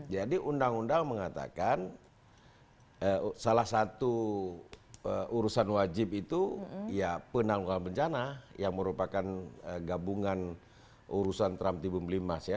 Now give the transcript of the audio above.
jadi undang undang mengatakan salah satu urusan wajib itu ya penanggulangan bencana yang merupakan gabungan urusan tram tibum limas ya